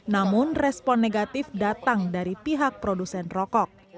namun respon negatif datang dari pihak produsen rokok